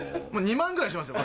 ２万ぐらいしますよ